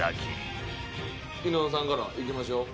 伊野尾さんからいきましょう。